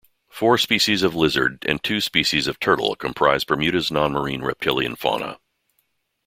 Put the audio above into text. Four species of lizard and two species of turtle comprise Bermuda's non-marine reptilian fauna.